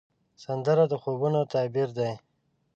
سندره د خوبونو تعبیر دی